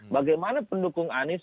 bagaimana pendukung anies